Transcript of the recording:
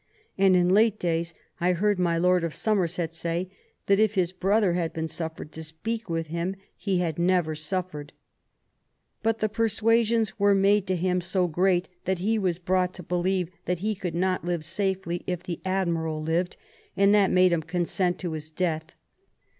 And in late days, I heard my Lord of Somerset say, that if his brother had been suffered to speak with him, he had never suffered. But the persuasions were made to him so great that he was brought to believe that he could not live safely if the Admiral lived ; and that THE YOUTH OF ELIZABETH. 29 made him consent to his death.